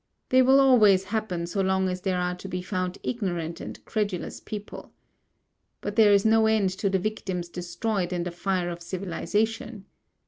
They will always happen so long as there are to be found ignorant and credulous people. But there is no end to the victims destroyed in the fire of civilization.